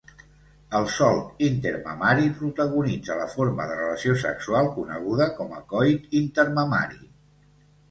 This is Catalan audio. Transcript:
El solc intermamari protagonitza la forma de relació sexual coneguda com a coit intermamari.